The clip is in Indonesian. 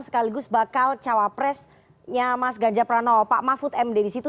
sekaligus bakal cawapresnya mas ganja pranowo pak mahfud md disitu